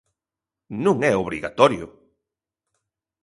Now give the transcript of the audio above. Non é obrigatorio.